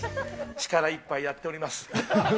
力いっぱいやっております。